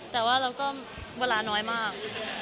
แต่ว่าเราก็เวลาน้อยมาก